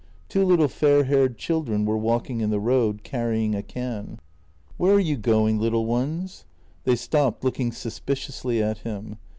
Two little fair haired children were walking in the road, carrying a can. "Where are you going, little ones?" They stopped, looking suspiciously at him.